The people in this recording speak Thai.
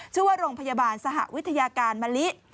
ชื่อว่าโรงพยาบาลสหวิทยาการมะลิ